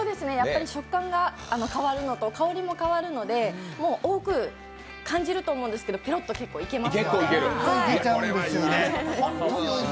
食感が変わるのと香りも変わるのでもう多く感じると思うんですけど結構ぺろっといけます。